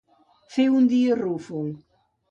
Fer un dia rúfol.